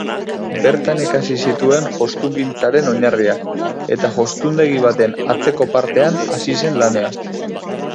Bertan ikasi zituen jostungintzaren oinarriak eta jostundegi baten atzeko partean hasi zen lanean.